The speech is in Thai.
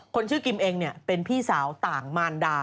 คนชื่อกิมเองเป็นพี่สาวต่างมารดา